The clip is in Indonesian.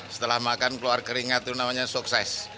setelah makan keluar keringat itu namanya sukses